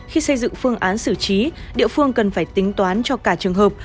khi xây dựng phương án xử trí địa phương cần phải tính toán cho cả trường hợp